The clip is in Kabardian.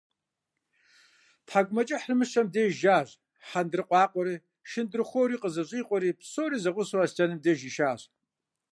ТхьэкӀумэкӀыхьыр Мыщэм деж жащ, хьэндыркъуакъуэри, шындырхъуори къызэщӀикъуэри, псори зэгъусэу, Аслъэным деж ишащ.